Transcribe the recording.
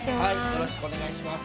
よろしくお願いします。